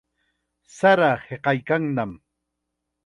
Sara hiqaykannam.